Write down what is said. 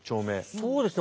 そうですね